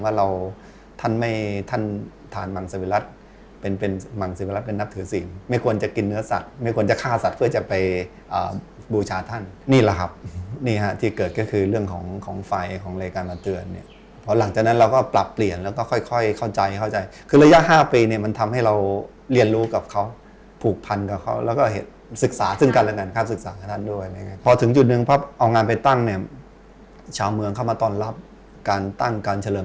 เป็นมังสินพลักษณ์เป็นนับถือสินไม่ควรจะกินเนื้อสัตว์ไม่ควรจะฆ่าสัตว์เพื่อจะไปบูชาท่านนี่แหละครับนี่ฮะที่เกิดก็คือเรื่องของของไฟของเลยการมาเตือนเนี่ยพอหลังจากนั้นเราก็ปรับเปลี่ยนแล้วก็ค่อยเข้าใจคือระยะ๕ปีเนี่ยมันทำให้เราเรียนรู้กับเขาผูกพันกับเขาแล้วก็เห็นศึกษาซึ่ง